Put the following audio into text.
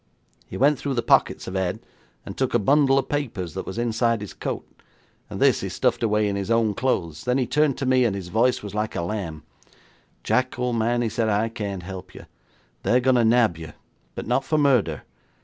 He went through the pockets of Ed, and took a bundle of papers that was inside his coat, and this he stuffed away in his own clothes. Then he turned to me, and his voice was like a lamb. '"Jack, old man," he said, "I can't help you. They're going to nab you, but not for murder.